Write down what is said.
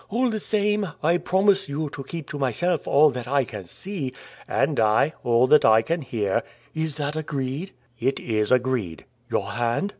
All the same, I promise you to keep to myself all that I can see " "And I, all that I can hear." "Is that agreed?" "It is agreed." "Your hand?"